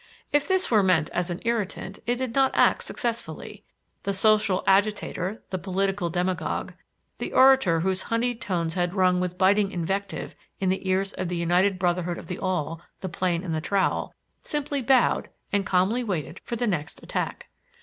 If this were meant as an irritant, it did not act successfully. The social agitator, the political demagogue, the orator whose honeyed tones had rung with biting invective in the ears of the United Brotherhood of the Awl, the Plane and the Trowel, simply bowed and calmly waited for the next attack.